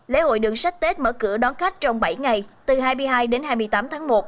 lễ hội đường sách tết mở cửa đón khách trong bảy ngày từ hai mươi hai đến hai mươi tám tháng một